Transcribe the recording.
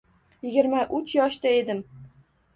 Yigirma uch yoshda edim